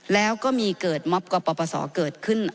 แล้วก็มีเกิดม็อบกปศเกิดขึ้น